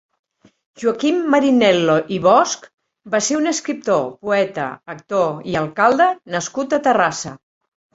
Joaquim Marinel·lo i Bosch va ser un escriptor, poeta, actor i alcalde nascut a Terrassa.